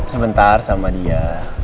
sebentar sama dia